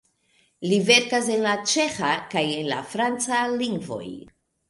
Li verkas en la ĉeĥa kaj en la franca lingvoj.